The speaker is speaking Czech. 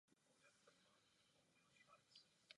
Určující body úsečky se nazývají "krajní body" úsečky.